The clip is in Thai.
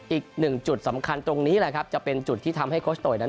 อีกหนึ่งจุดสำคัญตรงนี้แหละครับจะเป็นจุดที่ทำให้โคชโตยนั้น